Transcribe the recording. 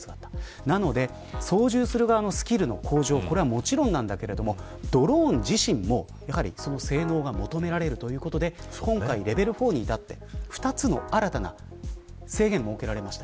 操縦する側のスキルの向上はもちろんですがドローン自身も性能が求められるということで今回レベル４に至って２つの新たな制限が設けられました。